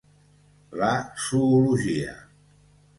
La zoologia